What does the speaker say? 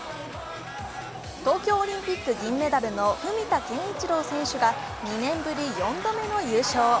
東京オリンピック銀メダルの文田健一郎選手が２年ぶり４度目の優勝。